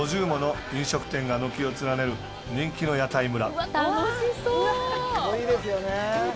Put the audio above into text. ５０もの飲食店が軒を連ねる人気の屋台村。